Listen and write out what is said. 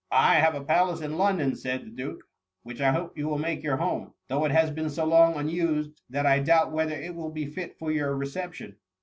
^^ I have a palace in London,'^ said the duke, " which I hope you will make your home ; though it has been so long unused that I doubt whether it will be fit for your reception.